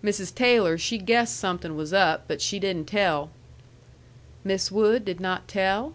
Mrs. Taylor, she guessed something was up, but she didn't tell." "Miss Wood did not tell?"